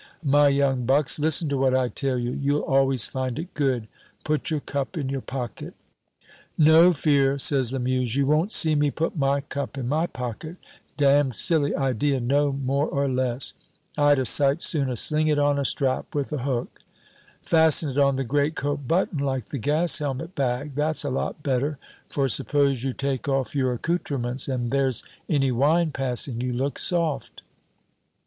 My young bucks, listen to what I tell you; you'll always find it good put your cup in your pocket." "No fear," says Lamuse, "you won't see me put my cup in my pocket; damned silly idea, no more or less. I'd a sight sooner sling it on a strap with a hook." "Fasten it on a greatcoat button, like the gas helmet bag, that's a lot better; for suppose you take off your accouterments and there's any wine passing, you look soft."